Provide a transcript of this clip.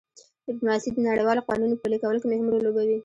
ډیپلوماسي د نړیوالو قوانینو په پلي کولو کې مهم رول لوبوي